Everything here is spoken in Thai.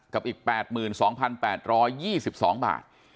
กับอีก๘๒๘๒๒บาท